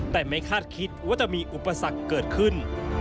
แต่ไม่คาดคิดว่าจะมีอุปสรรคเกิดขึ้น